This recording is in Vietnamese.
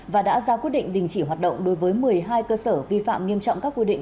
và đã ra quyết định đình chỉ hoạt động đối với một mươi hai cơ sở vi phạm nghiêm trọng các quy định